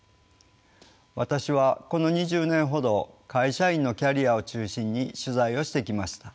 私はこの２０年ほど会社員のキャリアを中心に取材をしてきました。